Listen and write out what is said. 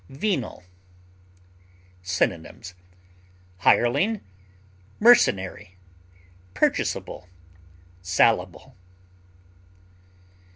VENAL. Synonyms: hireling, mercenary, purchasable, salable.